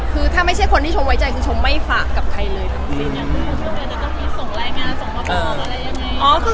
คือถ้าไม่ใช่คนที่ชมไว้ใจก็ชมไม่ฝ้ากับใครเลย